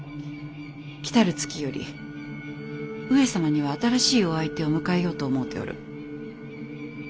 来る月より上様には新しいお相手を迎えようと思うておる。